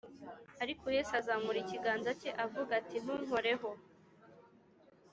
” ariko yesu azamura ikiganza cye avuga ati, ntunkoreho,